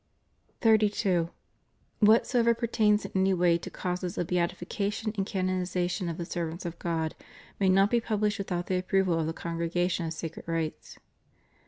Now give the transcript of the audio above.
32. Whatsoever pertains in any way to causes of beatification and canonization of the servants of God may not be pubUshed without the approval of the Con gregation of Sacred Rites.